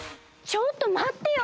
ちょっとまってよ